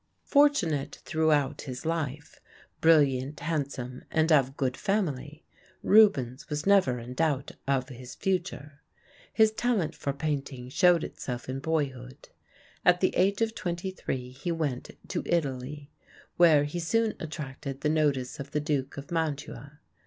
Fortunate throughout his life, brilliant, handsome, and of good family, Rubens was never in doubt of his future. His talent for painting showed itself in boyhood. At the age of twenty three he went to Italy, where he soon attracted the notice of the Duke of Mantua.